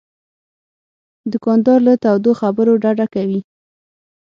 دوکاندار له تودو خبرو ډډه کوي.